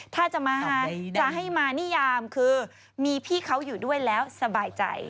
ถ้าจะมาจะให้มานิยามคือมีพี่เขาอยู่ด้วยแล้วสบายใจ